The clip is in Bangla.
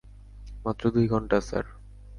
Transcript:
মাত্র দুই ঘণ্টা, স্যার।